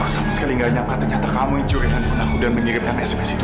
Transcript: aku sama sekali tidak nyapa ternyata kamu yang curi handphone aku dan mengirimkan sms itu